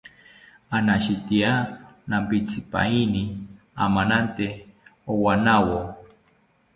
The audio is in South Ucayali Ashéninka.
Anashitya nampitzipaini amanante owanawo